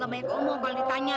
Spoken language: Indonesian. gak baik omong kalau ditanya